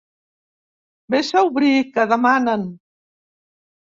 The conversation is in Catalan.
Ves a obrir, que demanen.